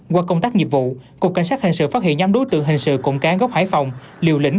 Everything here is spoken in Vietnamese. qua công tác nghiệp vụ cục cảnh sát hình sự phát hiện nhóm đối tượng hình sự cụm cán gốc hải phòng liều lĩnh